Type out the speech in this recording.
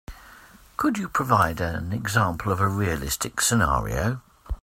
Could you provide an example of a realistic scenario?